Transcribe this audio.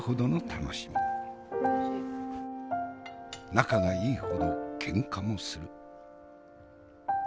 仲がいいほどけんかもする。